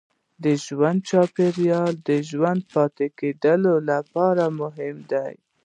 د ژوند چاپېریال د ژوندي پاتې کېدو لپاره مهم و.